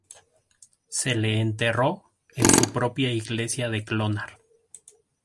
Se le enterró en su propia iglesia de Clonard.